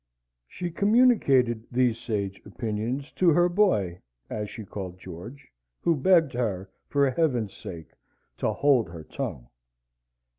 She communicated these sage opinions to her boy, as she called George, who begged her, for Heaven's sake, to hold her tongue.